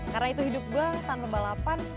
karena itu hidup gue tanpa balapan